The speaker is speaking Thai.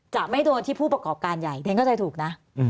จะไม่โดนที่ผู้ประกอบการใหญ่เรียนเข้าใจถูกนะ